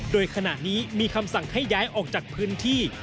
โดยขณะนี้มีคำสั่งให้ย้ายออกจากพื้นที่